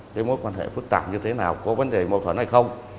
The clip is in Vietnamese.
cái mối quan hệ phức tạp như thế nào có vấn đề mâu thuẫn hay không